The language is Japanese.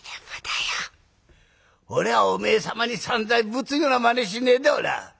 俺はおめえ様に散財ぶつようなまねしねえだおら。